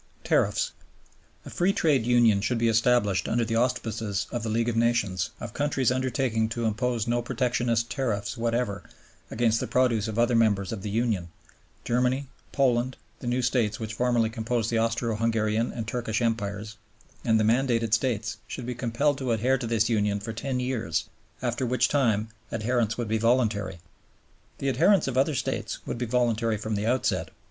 Tariffs. A Free Trade Union should be established under the auspices of the League of Nations of countries undertaking to impose no protectionist tariffs whatever against the produce of other members of the Union, Germany, Poland, the new States which formerly composed the Austro Hungarian and Turkish Empires, and the Mandated States should be compelled to adhere to this Union for ten years, after which time adherence would be voluntary. The adherence of other States would be voluntary from the outset.